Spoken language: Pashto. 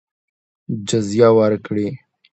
جزیه ورکړي.